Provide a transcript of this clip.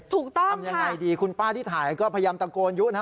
ถูกต้องทำยังไงดีคุณป้าที่ถ่ายก็พยายามตะโกนยุนะ